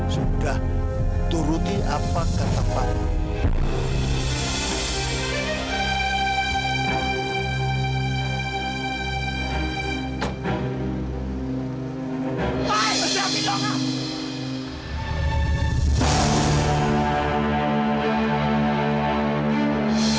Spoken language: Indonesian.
sudah turuti apa kata pak